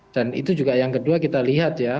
dan itu juga yang kedua kita lihat ya